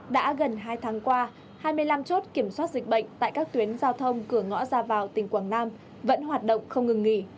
đã gần hai tháng qua hai mươi năm chốt kiểm soát dịch bệnh tại các tuyến giao thông cửa ngõ ra vào tỉnh quảng nam vẫn hoạt động không ngừng nghỉ